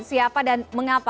siapa dan mengapa